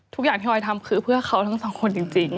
ทุกอย่างที่ออยทำคือเพื่อเขาทั้งสองคนจริง